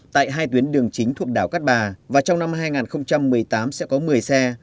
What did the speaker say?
tại hai tuyến đường chính thuộc đảo cát bà và trong năm hai nghìn một mươi tám sẽ có một mươi xe